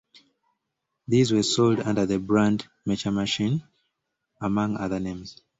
These were sold under the brand "Mecha Machine," among other names.